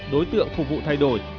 đối tượng phục vụ thay đổi